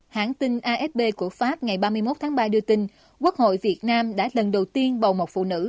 hãng tin afp của pháp ngày ba mươi một tháng ba đưa tin quốc hội việt nam đã lần đầu tiên bầu một phụ nữ